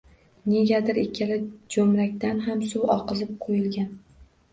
Negadir ikkala jo`mrakdan ham suv oqizib qo`yilgan